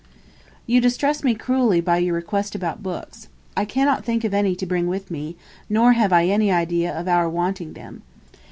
'You distress me cruelly by your request about books. I cannot think of any to bring with me, nor have I any idea of our wanting them.